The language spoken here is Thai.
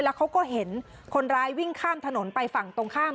แล้วเขาก็เห็นคนร้ายวิ่งข้ามถนนไปฝั่งตรงข้าม